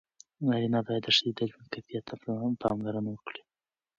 نارینه باید د ښځې د ژوند کیفیت ته پاملرنه وکړي.